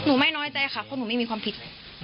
หนูไม่น้อยใจค่ะคุณหนูไม่มีความผิด